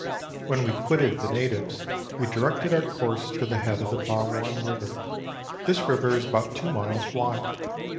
When we quitted the natives, we directed our course to the head of the Barwon River. This river is about two miles wide.